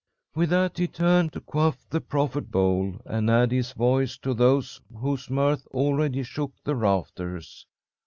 "With that he turned to quaff the proffered bowl and add his voice to those whose mirth already shook the rafters.